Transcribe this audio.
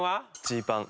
ジーパン。